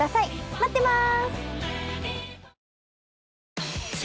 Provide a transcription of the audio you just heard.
待ってます！